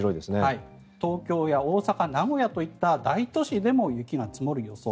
東京や大阪名古屋といった大都市でも雪が積もる予想。